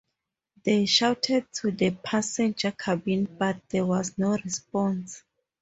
They shouted to the passenger cabin, but there was no response.